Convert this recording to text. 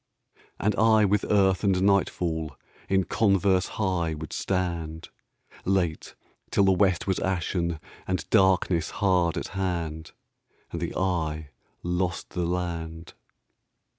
And I with earth and nightfall In converse high would stand, Late, till the west was ashen And darkness hard at hand, And the eye lost the land.